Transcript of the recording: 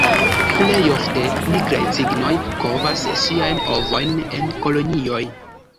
Plej ofte Nigraj cignoj kovas siajn ovojn en kolonioj.